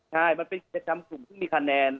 ใช่มันเป็นการทำกลุ่มที่มีคะแนน